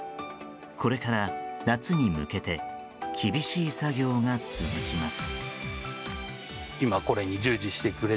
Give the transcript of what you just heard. これから夏に向けて厳しい作業が続きます。